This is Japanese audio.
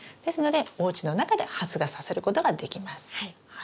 ですのでおうちの中で発芽させることができます。